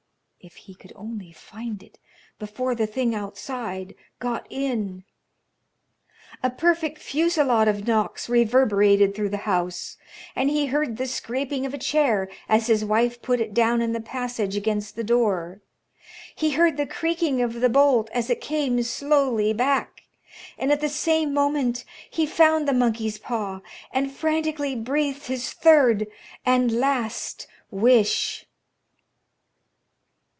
If he could only find it before the thing outside got in. A perfect fusillade of knocks reverberated through the house, and he heard the scraping of a chair as his wife put it down in the passage against the door. He heard the creaking of the bolt as it came slowly back, and at the same moment he found the monkey's paw, and frantically breathed his third and last wish.